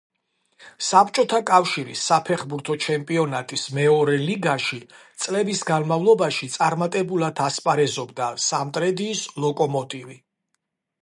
საბჭოთა კავშირის საფეხბურთო ჩემპიონატის მეორე ლიგაში წლების განმავლობაში წარმატებულად ასპარეზობდა სამტრედიის „ლოკომოტივი“.